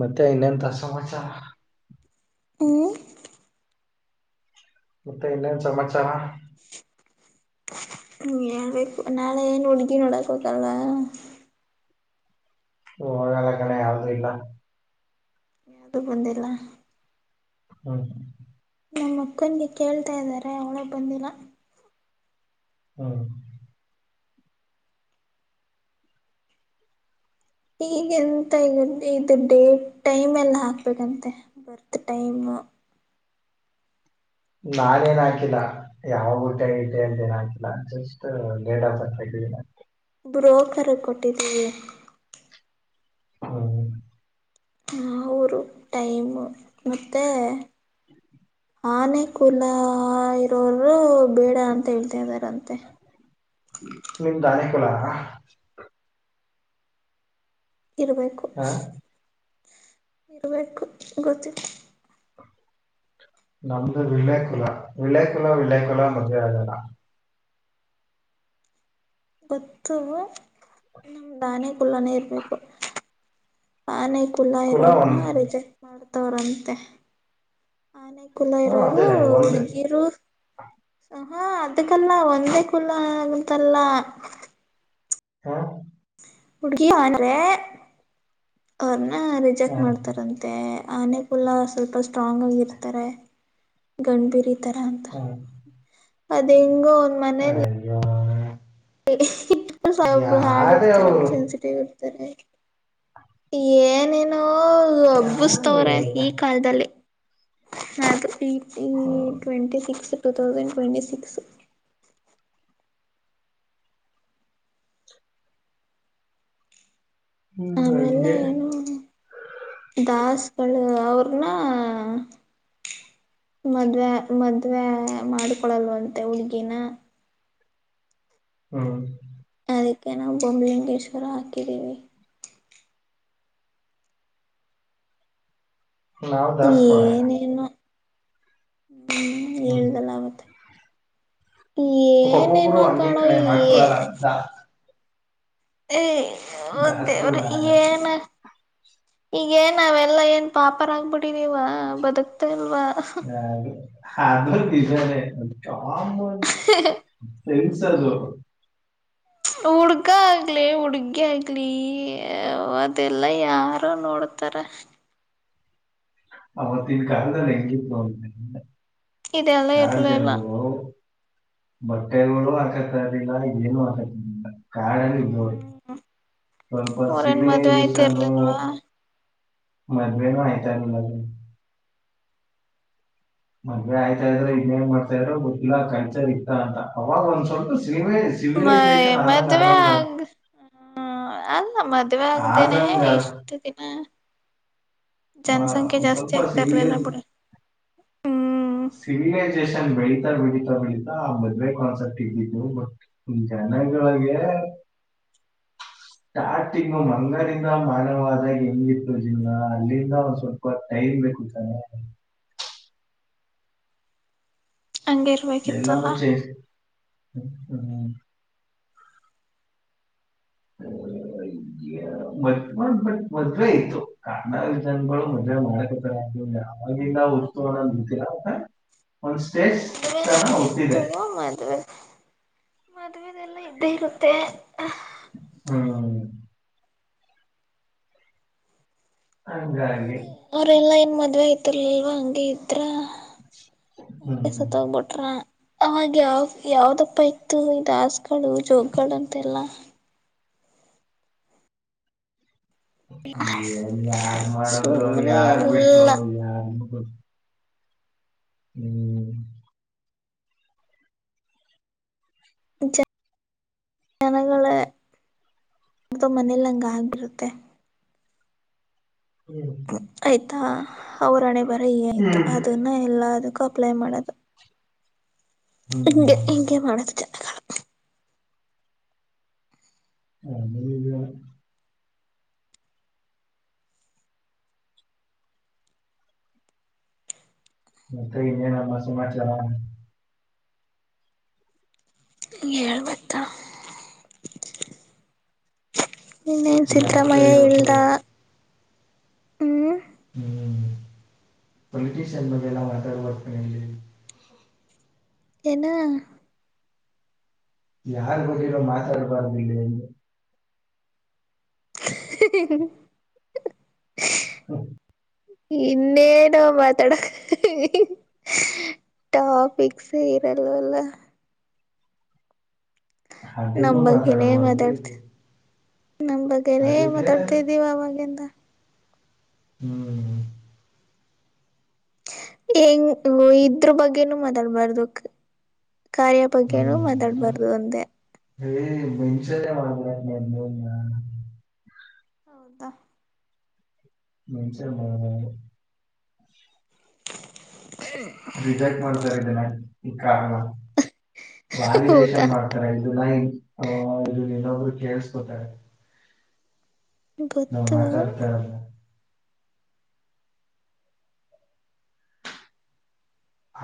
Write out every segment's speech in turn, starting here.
ಮತ್ತೆ ನ್ನಂತ ಸಮಾಚಾರ ಹು ಮತ್ತೆ ಇನ್ನನ್ ಸಮಾಚಾರ ಹ್ಮ ಹೇಳ್ಬೇಕು ನಾಳೆ ಏನ್ ಹುಡುಗಿ ನೋಡಕ್ ಹೋತಾವಳ ಹೋಗಲ್ಲ ಕಣೆ ಯಾವ್ದೂ ಇಲ್ಲ ಅಟ್ಟು ಬಂದಿಲ್ಲ ಹ್ಮ ನೋಡು ನಿಮಕ್ಕನಿಗೆ ಕೇಳ್ತಾ ಇದ್ದಾರೆ ಅವಳೆ ಬಂದಿಲ್ಲ ಹ್ಮ್ ಈಗೆಂತ ಇರದೇ ಈಗ ಇದು ಡೇಟ್ ಅಂಡ್ ಟೈಮ್ ಎಲ್ಲ ಹಾಕ್ಬೇಕಂತೆ ಬರ್ತ್ ಟೈಮ್ ನಾನೇನು ಹಾಕಿಲ್ಲ ಯಾವಾಗ್ ಹುಟ್ಟಿದೆ ಐತೆ ಅಂತ ಏನ್ ಹಕಿಲ್ಲ ಜಸ್ಟ್ ಡೇಟ್ ಆಫ್ ಬರ್ತ್ ಹಾಕಿದೇನಿ ಬ್ರೋಕರ್ಗೇ ಕೊಟ್ಟಿದ್ದೀವಿ ಹ್ಮ ಹ್ಮ್ಮ್ಮ್ ಅವರು ಟೈಮ್ ಮತ್ತೆ ಆನೆ ಕುೂಲ ಇರೋರು ಬೇಡ ಅಂತ ಹೇಳ್ತಿದಾರಂತೆ ನಿಂದ್ ಆನೆ ಕುಲನ ಇರಬೇಕು ಹಾ ಇರ್ಬೇಕು ಗೊತ್ತಿಲ್ಲ ನಮ್ದು ವಿಲಕುಲ ವಿಲಕುಲ ವಿಲಕುಲ ಮದುವೆ ಆಗಲ್ಲ ಗೊತ್ತು ನಮ್ ದಾನೆ ಕುಲ್ಲಾನೇ ಇರ್ಬೇಕು ಆನೆ ಕುಲ್ಲಾ ಕುಲ ಇರೋರ್ನ್ನ ಒಂದು ರಿಜೆಕ್ಟ್ ಮಾಡ್ತವ್ರಂತೆ ಆನೆ ಕುಲ ಹ್ಮ್ ಇರೋರು ಅದೇನೆ ಒಂದ್ ಹುಡ್ಗೀರು ಹಾ ಅದಕಲ್ಲ ಒಂದೇ ಕುಲ ಆಗಂತಲ್ಲ ಹಾ ಹುಡುಗಿ ಅಂದ್ರೆ ಅವ್ರನ್ನ ಹ ರಿಜೆಕ್ಟ್ ಮಾಡ್ತಾರಂತ ಮತ್ತೆ ಆನೆ ಕುಲ್ಲ ಸ್ವಲ್ಪ ಸ್ಟ್ರಾಂಗ್ ಆಗಿ ಇರ್ತಾರೆ ಗಂಡಭಿರಿ ತರ ಅಂತ ಹ ಅದೆಂಗೋ ಅಯ್ಯೋ ಇ ಒಬ್ರು ಹಾರ್ಡ್ ಯಾರೇ ಇರ್ತಾರೆ ಅವರು ಒಬ್ರು ಸೆನ್ಸಿಟಿವ ಇರ್ತಾರೆ ಏನೇನೋ ಯಾರೇ ಹಬ್ಬಸ್ತವ್ರ ಇವ್ರು? ಈ ಕಾಲದಲ್ಲಿ ನಾ ಅಂತೂ twenty six two thousand twenty six hmm ಆಮೇಲೆ ಹಂಗೆ ಏನು ದಾಸ್ಗಳುಳ ಅವರುನ್ನ ಮದ್ವೆ ಮದ್ವೆ ಮಾಡಕೊಳ್ಳಲ್ವಂತೆ ಹುಡ್ಗಿನ ಹ್ಮ ಅದಕ್ಕೆ ನಾವು ಬೊಂಬ್ಲಿಂಗೇಶ್ವರ ಹಾಕಿದ್ದೀವಿ ನಾವು ದಾಸ್ಕೋಳೆ ಏನೇನು ಹ್ಮ ಹ್ಮ್ ಹೇಳ್ದಲ್ಲ ಆವತ್ತೆ ಒಬ್ಬೊಬ್ರು ಏನೇನೋ ಹಂಗೆ ಕಣೋ ಕಣೆ ಮಾಡ್ಕೊಳಲ್ಲ ಏನ್ ದಾ ಏ ಅಯ್ಯೋ ದೇವ್ರೇ ದಾಸ್ಕೊಳಲ್ಲ ಹಾಗೆ. ಏನೋ ಈಗ ಏನ್ ನಾವೆಲ್ಲಾ ಏನ್ ಪಾಪರ ಆಗ್ಬಿಟ್ಟಿದವ ಬದುಕ್ತಾ ಇಲ್ವಾ ಹ ಅದು ಆಮೇಲೆ [inaudible] ಎಟ ಸರ್ ಹುಡ್ಗ ಆಗ್ಲಿ ಹುಡ್ಗಿ ಆಗ್ಲಿ ಅದೆಲ್ಲ ಯಾರು ನೋಡ್ತಾರ ಅವತ್ತಿನ ಕಾಲದಲ್ಲಿ ಹೆಂಂಗಿ ನೋತೇನೆ [unintelligible] ಇದೆಲ್ಲ ಯಾರಜಬ ಇರ್ಲಿಲ್ಲ [unintelligible] ಬಟ್ಟೆಗಳು ಹಾಕತ ಇರಲಿಲ್ಲ ಇದೇನು ಹಾಕತ್ತರ್ ಲ್ಲ ಕಾರಣಕ ಹ್ಮ್ ಅವ್ರೇನ್ ಮದ್ವೆ ಸಿವಲೈಜೇಶನ್ ಆಯ್ತಿರ್ಲಿಲ್ವಾ ಮದ್ವೇಗ ಆಯ್ತಾದು ಮನ್ ಆಯ್ತಾ ಇದ್ರೆ ಇನ್ನೇನ್ ಮಾಡ್ತಾ ಇದ್ರು ಗೊತ್ತಿಲ್ಲ ಕಲ್ಚರ್ ಇತ್ತ ಅಂತ ಅವಾಗ ಒಂದ್ ಸ್ವಲ್ಪ ಶ್ರೀಮೇಶ ಮಯ ಮದವಾಯಾಾಗ ಹ್ಮ ಅಲ್ಲ ಮದ್ವೆ ಆಗ್ದೇನೆ ಆದಂಗ ಇಷ್ಟ ದಿನ ಆ, ಜನಸಂಖ್ಯೆ ಒಂದ್ ಜಾಸ್ತಿ ಸ್ವಲ್ಪ ಆಗ್ತಾ ಇರ್ಲಿಲ್ಲ ಸಿವಿಲೈಸ್ ಬಿಡ ಹ್ಮ್ ಸಿವಿಲೈಸೇಷನ್ ಬೆಳೀತಾ ಬೆಳೀತಾ ಬೆಳೀಿತಾ ಆ ಮದ್ವೆ ಕಾನ್ಸೆಪ್ಟ ಇದ್ದಿದ್ದತ್ತು ಬಟ್ ಜನಗಳೊಗೆ ಸ್ಟಾರ್ಟಿಂಗ್ ಮಂಗಾರಂದ ಮಾನವಾದಾಗ ಹೆಂಗಿರ್ತ ಜಿಲ್ಲ ಅಲ್ಲಿ ಸ್ವಲ್ಪ ಟೈಮ್ ಬೇಕು ಅಂಗೇ [unintelligible] ಎಲ್ಲಾಚೇ ಹ್ಮ [unintelligible] [inaudible] ಮ ಬಟ್ ಮದ್ವೆೆ ಇತ್ತು ಕಣ ವಿಧನ್ಗಳು ಮದ್ವೆ ಮಾಡಕತರ [unintelligible] ಅವಗಂದ ಹುರ್ತು ಅನ್ನ ನಿಡ್ತಿರ ಒಂದ್ ಸ್ಟೇಜ್ ತನ ಹುಟ್ಟಿದೆ [unintelligible] ಹ ಅದು ಎಲ್ಲ ಇದ್ದೇ ಇರುತ್ತೆ ಹ್ಮ ಹಂಗೆ ಅವರೆಲ್ಲ ಏನು ಮದುವೆ ಆಐತರಲ್ವ ಹಂಗಗೆ ಇದ್ರ ಹಂಗೆ ಹ್ಮ್ ಸತ್ತೋಗ್ಬಿಟ್ರಾ ಅವಾಗ ಯಾವ ಯಾವ್ದಪ್ಪ ಇತ್ತು ದಾಸ್ಗಳು ಜೋಗಗಳು ಅಂತೆಲ್ಲ ಏನ್ ಯಾರ್ ಮಾಡದ್ರು ಸುಮ್ಮನೆ ಯಾರ್ ಬಿಟ್ರು ಎಲ್ಲ ಯಾರ್ ಮುಗರು ಹ್ಮ್ ಜ ಜನಗಳ ಅ್ದ ಮನೇಲಿ ಹಂಗ ಆಗ್ಬಿರುತ್ತೆ ಆಯ್ತಾ ಅವ್ರಣೆ ಬರ ಆಯ್ತು ಅದನ್ನ ಎಲ್ಲದಕ್ಕೂ ಅಪ್ಲೈ ಮಾಡೋದು ಹಿಗೆ ಹ್ಮ್ ಹಿಂಗೆ ಮಾಡೋದು ಜ ಹದ ಮತ್ತೆ ಇನ್ನೇ ನಮ್ಮ ಸಿಮಾಚಲ ಹಗೆ ಹೇಳ್ಬೇಕತ್ತಾ [inaudible] ಇನ್ನೇನು ಜಾತ್ರೆ ಸಿದ್ದರಾಮಯ್ಯ ಇವತ್ತು ಇಲ್ಲದ ಹ ಹ್ಮ್ ಪೊಲಿಟಿಷಿಯನ್ ಬಗ್ಗೆ ಎಲ್ಲಾ ಮಾತಾಡ್ಬರ್ತಾನ ಇಲ್ಲಿ [unintelligible] ಏನು ಯಾರ್ ಗತ್ತಗ ಮಾತಾಡಬಾರ್ದಿಲ್ಲ [unintelligible] ಹ್ಮ ಹೌ ಇನ್ನೇನೋ ಮಾತಾಡ ಟಾಪಿಕ್ಸ್ ಇರಲ್ವಲ್ಲ ಅದನ್ನು ನಮ ಬಗ್ಗೆನೇ ಮಾತಾಡಬಾರ್ದು ಮಾತಾಡ್ತ ಇದು ನಮ್ ಬಗ್ಗೆರೇ ಅದಕ್ಕೆ ಮಾತಾಡ್ತಾ ಇದಿದ್ದೀವ ಅವಾಗೆಂದ ಹ್ಮ್ ಂಗ ಇದ್ರ ಬಗ್ಗೆನೂ ಮಾತಾಡ್ಬಾರ್ದು ಕಾರ್ಯ ಬಗ್ನ ಮಾತಾಡ್ಬಾರ್ದು ಅಂದೆ ಹ ಮನುಷಲ್ಲ ಮಾಡ ಮ ಹೌದಾ ಮುಚೆಮ ಏ ರಿಜೆಕ್ಟ್ ಮಾಡ್ತಾರೆ ಇದಿನ ಈ ಕಾರ್ ನ ಹೌದಾ ವ್ಯಾಲಿಡೇಶನ್ ಮಾಡ್ ಇದು ನೈನ್ ಇದುಲ್ಲಬ್ರು ಕೇಳಳ್ಸ್ಕೋತಾರೆ ನಾ್ ಗೊತ್ತು ಮಾತಾಡ್ತ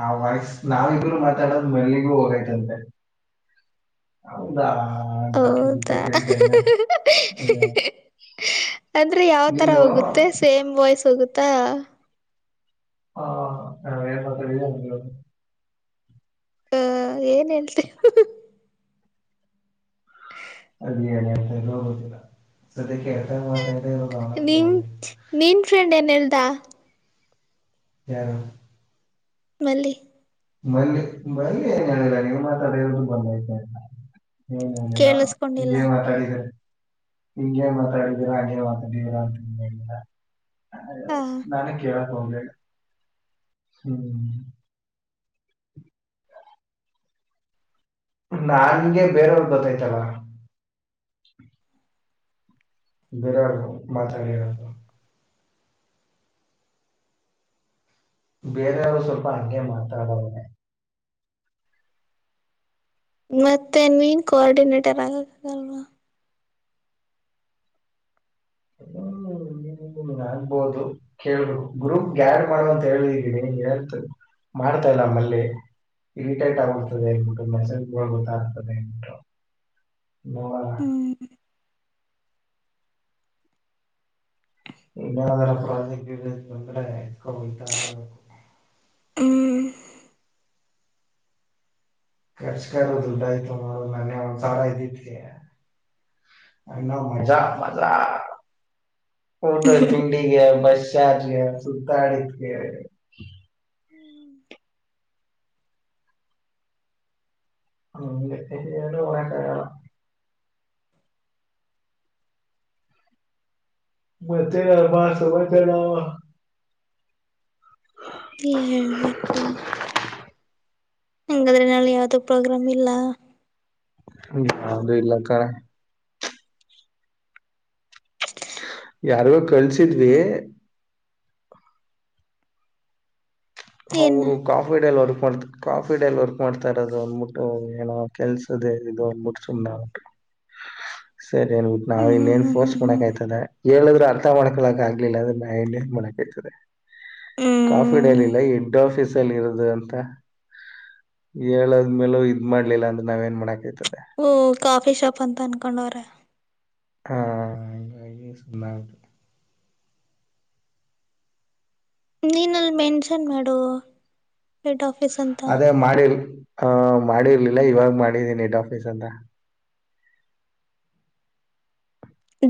ಆ ವಯ್ಸ್ ನಾವಿಬ್ರು ಮಾತಾಡದ್ ಮೆಲ್ಲಿಗೂ ಹೋಗೈ್ತಂತೆ ಹೌದಾಂತ ಎಂತ ಹೌದಾ ಕೇಳ್ತ ಅಂದ್ರೆ ಯಾವ ತರ ಹೋಗುತ್ತೆ ಸೇಮ್ ವಾಯ್ಸ್ ಹೋಗುತ್ತಾ ಹದು ಹ ಏನ್ ಹಳ್ತಿ ಅಲ್ಲಿ ಣ ಅತಾ ಇರ ಹೋಗುದಿಲ್ಲ ಸದ್ಯಕ್ಕೆ ಎಫ್ಐ ಮಾತಾಡಿದ್ರೆ ಇರೋದು ಅವನ ಹತ್ರ ನೀನ್ ಹೋಗಿ ನೀನ್ ಫ್ರೆಂಡ್ ಏನಲ್ದಾ ಹ ಮಲ್ಲಿೆ ಮಲ್ಲಿ ಮಲ್ಲಿಯ ಳ ನೀ ಮಾತ್ರ ಅಡೆಯು ಬಂದತ ಏನ್ ಇ ನಾ ಕೇಳಿಸಕೊಂಡಿಲ್ಲ ಈಗೆ ಮಾತಾಡಿದ್ದಾರೆ ಹಿಂಂಗಗೆ ಮಾತಾಡಿದ್ದೀರಾ ಹಾಗೆ ಮಾತಾಡಿದ್ದೀರಾ ಅಂತಲ್ಲ ಹ ನ ಕ ಹೋಗ ಹ್ಮ್ ಹ ನಾಗೆ ಬೇರೆಯವ್ರ ಗೊತ್ತಾಯ್ತಲ್ಲ ಬರಾಳ ಮಾತರಿ ಬೇರೆಯವರು ಸ್ವಲ್ಪ ಹಾಗಂೇ ಮಾತಾಡವನನೆ ಮತ್ತೆನ್ ಮೀನ್ ಕೋಆರ್ಡಿನೇಟರ್ ಆಗದಲ್ವಾ ಹಾ ನು ನೀನ್ ಆಗ್ಬಹುದು ಕೇಳರು ಗ್ರೂಪ್ ಗ್ಯಾರ್ ಮಾಡುವ ಅಂತ ಹೇಳಿಗೆ ಹೇಳ್ತ ಮಾಡ್ತಾ ಇಲ್ಲಮ್ಮಲ್ಲಿ ಇರಿಟೈಟ್ ಆಗಿರ್ತದೆ ಹನ್ಬಿಟ್ಟು ಮೆಸೇಜ್ ಗೊತ್ತಾಗ್ತದೆ ಹನ್ಬಿಟ್ಟು ಹ್ಮ್ ಏನಾದರ ಪ್ರಾಜೆಕ್ಟ್ ಬಂದ್ರೆ ಇಕತ ಆಬೇಕು ಹ್ಮ್ ಖರ್ಚ್ಕದುಡಯ್ತುೋ ನ ಒಸಾರ ಇದಿಗೆ ಮಾ ಮಜಾ ಟ ತಿಂಡಿಗೆ ಬಸ್ ಚಾರ್ಜ್ಗೆ ಸುತ್ತಾಡತ್ಗೆ ಹ್ಮ್ ಹ ಅಳ ಮತ್ತೆ ಮಾಡ ಸಮಯ ಚಡ ಹೇಬೇಕು ಹಂಗಾದ್ರೆ ನಲ್ಲಿ ಯಾವ್ದು ಪ್ರೋಗ್ರಾಮ್ ಇಲ್ಲ ಯಾದುೂ ಇಲ್ಲ ಕರೆ ಯಾರಿಗೋ ಕಳ್ಸಿದ್ವಿ ಏನ್ ಅವರು ಕಾಫಿ ಡಲ್ ವರ್ಕ್ ಮಾಡ್ತ ಕಾಫಿ ಡಲ್ಲಿ ವರ್ಕ್ ಮಾಡ್ತಾ ಇರೋದು ಅಂದ್ಬಿಟ್ಟು ಏನ ಕೆಲ್ಸ ಅದೇ ಇದು ಒಬರು ಸುನ್ನ [inaudible] ಸರಿ ನ್ಟ್ು ನಾವ ಹ್ಮ್ ಹ್ಮ್ ಇನ್ನೇನ್ ಹ್ಮ್ ಫೋರ್ಸ್ ಹ್ಮ್ ಮಾಡಕ್ ಹ್ಮ್ ಆಯ್ತದ ಹೇಳಿದ್ರು ಅರ್ಥ ಮಾಡ್ಕೊಳಕ ಆಗ್ಲಿಲ್ಲ ಅ್ರ ಮಾಡಕ್ತದೆ ಕಾಫಿ ಹ್ಮ್ ಇಡಲಿಲ್ಲ ದಡ್ ಆಫೀಸ್ ಅಲ್ಲಿ ಇರೋದು ಅಂತ ಹೇಳದ್ಮೇಲೂ ಇದ್ ಮಾಡ್ಲಿಲ್ಲ ಅಂದ್ರ ನಾವ ಏನ್ ಮಾಡಕತದೆ ಹ್ಮ ಕಾಫಿ ಶಾಪ್ ಅಂತ ಅನ್ಕೊಂಡವ್ರ ಹ ಸುಮ್ಮು ನೀನಲ್ಲಿ ಮೆನ್ಷನ್ ಮಾಡು ಹೆಡ್ ಆಫೀಸ್ ಅಂತ ಅದೇ ಮಾಡಿರ್ ಆ ಮಾಡಿರ್ಲಿಲ್ಲ ಇವಾಗ ಮಾಡಿದೀನಿ ಇಡ್ ಆಫೀಸ್ ಅಂತ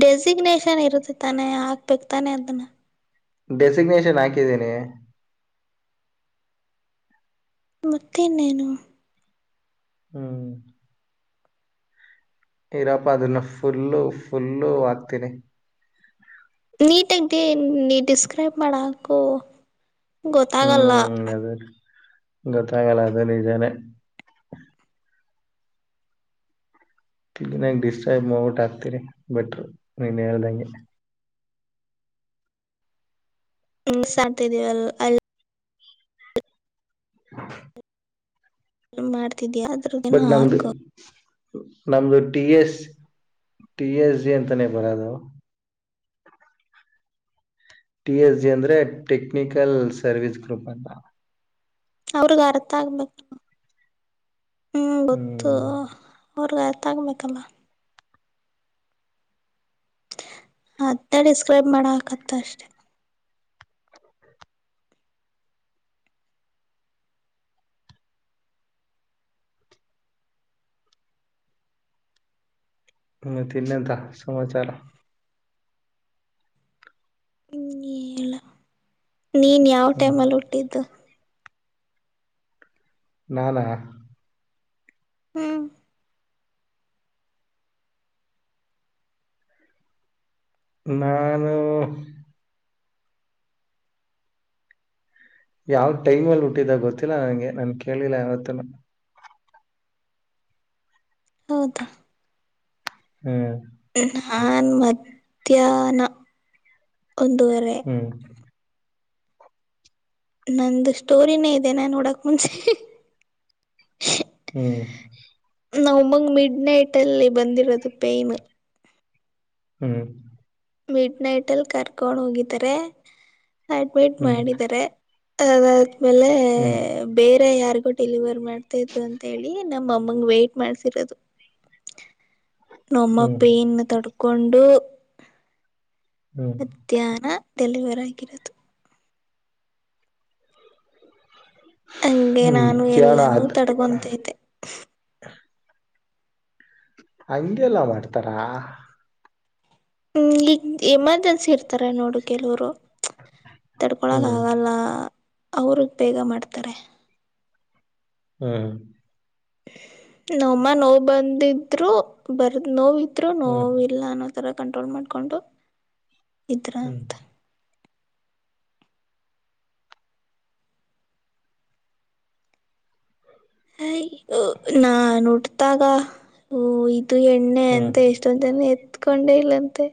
ಡೆಸಿಗ್ನೇಷನ್ ಇರುತ್ತೆ ತಾನೆ ಹಾಕ್ಬೇಕ ತಾನೆ ಅದನ್ನ ಡೆಸಿಗ್ನೇಷನ್ ಹಾಕಿದ್ದೀನಿ ಮತ್ತೆನ್ನೇನು ಹ್ಮ್ ಇರಪ್ಪ ಅದನ್ನ ಫುಲ್ಲು ಫುಲ್ಲು ಹಾಕ್ತೀನಿ ನೀಟಾಗಿ ಡೇ ನೀ ಡಿಸ್ಕ್ರೈಬ್ ಮಾಡೋಕು ಗೊತ್ತಾಗಲ್ಲ ಹ ಗೊತ್ತಾಗಲ್ಲ ಅದಲ್ಲಿ ಇದ ಇದಾನನೆ ಇಿನಂ ಡಿಸ್ಟರ್ಬ್ ಮಟ್ ಆಗ್ತಿೀರಿ ಬೆಟ್್ರ ನೀನ್ ಹೇಳ್ದಂಗೆ ಹ್ಮ ಸಾ್ತಿದೀವಲ್ಲ ಅ ಹ ಮಾಡ್ತಿದ್ಯಾ ಅ ಬದನಾಮದು ನಮ್ದು T S T S G ಅಂತಾನೇ ಬರದು ಟಿ ಎಸ್ ಜಿ ಅಂದ್ರೆ ಟೆಕ್ನಿಕಲ್ ಸರ್ವಿಸ್ ಗ್ರೂಪ್ ಅಂತ ಅವ್ರಿಗ ಅರ್ಥ ಆಗ್ಬೇಕ ಹ್ಮ್ ಗೊತ್ತು ಹ್ಮ್ ಅವ್ರಗಾಯ ತಗಬೇಕಲ್ಲ ತ್ತ ಡಿಸ್ಕ್ರೈಬ್ ಮಾಡ ಹಾಕತ್ತ ಅಷ್ಟೇ ಮ ತಿನ್ನದ ಸಮಾಚಾರ ಹ್ಮಲ್ಲ ನೀನ್ ಯಾವ ಹ್ಮ್ ಟೈಮ್ಲ್ಲಿ ಹುಟ್ಟಿದ್ದು ನಾಾನ ಹ್ಮ್ ನಾನು ಯಾವ್ ಟೈಮ್ ಅಲ್ಲಿ ಹುಟ್ಟಿದಾಗ ಗೊತ್ತಿಲ್ಲ ನಂಗೆ ನನ್ ಕೇಳಲಿಲ್ಲ ಯಾವತ್ತ ಹೌದಾ ಹ್ಮ್ ನಾನ್ ಮಧ್ಯಾಹ್ನ ಒಂದುವರೆ ಹ್ಮ ನಂದು ಸ್ಟೋರಿನೇ ಇದೆ ನಾನು ನೋಡಕ ಮುಂಚೆ ಹ್ಮ್ ನಾವುಮ್ಮಂಗ ಮಿಡ್ ನೈಟ್ ಅಲ್ಲಿ ಬಂದಿರೋದು ಪೈಯ್ನ್ ಹ್ಮ್ ಮಿಡ್ ನೈಟಲ್ಲಿ ಕರ್ಕೊಂಡು ಹೋಗಿದ್ದಾರೆ ಅಡ್ಮಿಟ್ ಹ್ಮ್ ಮಾಡಿದ್ದಾರೆ ಅದಾದ್ಮೇಲೆ ಹ್ಮ್ ಬೇರೆ ಯಾರಿಗೂ ಡೆಲಿವರ್ ಮಾಡ್ತಾ ಇದ್ರು ಅಂತೇಳಿ ನಮ್ಮ ಅಮ್ಮಂಗ ವೈಟ್ ಮಾಡ್ಸಿರೋದು ನಮ್ಮ ಹ್ಮ್ ಪೇನ್ ತೊಡ್ಕ ಕೊಂಡು ಹ್ಮ್ ಮಧ್ಯಾಹ್ನ ಡೆಲಿವರ್ ಆಗಿರೋದು ಹಂಗೆ ಹ್ಮ್ ನಾನು ಜೀವನ ಎಲ್ಲಾನೂ ಆತು ತಡ್ಕೊಂತೈತೆ ಹಂಗೆಲ್ಲ ಮಾಡ್ತಾರಾ ಹ್ಮ್ ಈಗ ಎಮರ್ಜೆನ್ಸಿ ಇರ್ತಾರ ನೋಡು ಕೆಲವರು ತಡ್ಕೊಳಕ್ ಹ್ಮ್ ಆಗಲ್ಲ ಅವ್ರಗ್ ಬೇಗ ಮಾಡ್ತಾರೆ ಹ್ಮ್ ನೋಮ್ಮ ನೋವು ಬಂದಿದ್ರು ಬರ್ದ ನೋವಿದ್ರು ಹ್ಮ್ ನೋವುಲ್ಲ ಅನ್ನೋ ಥರ ಕಂಟ್ರೋಲ್ ಮಾಡಕೊಂಡು ಈಥರ ಹ್ಮ್ ಹಯ್ ನಾ ನೋಟತಾಗ ಹ ಇದು ಎಣ್ಣೆ ಅಂತ ಹ್ಮ್ ಎಷ್ಟ ತಂದಾನ ಎತ್ಕೊಂಡೇ ಇಲ್ಲಂತೆ